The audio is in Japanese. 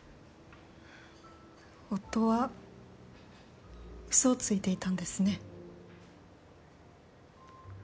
夫は嘘をついていたんですね。